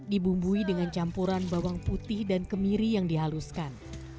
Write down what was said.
dibumbui dengan campuran bawang putih dan kemiri yang dihaluskan